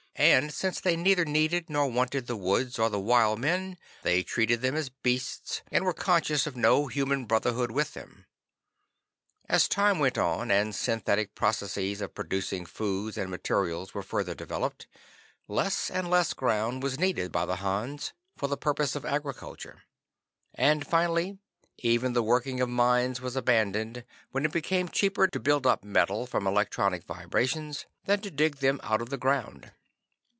And since they neither needed nor wanted the woods or the wild men, they treated them as beasts, and were conscious of no human brotherhood with them. As time went on, and synthetic processes of producing foods and materials were further developed, less and less ground was needed by the Hans for the purposes of agriculture, and finally, even the working of mines was abandoned when it became cheaper to build up metal from electronic vibrations than to dig them out of the ground.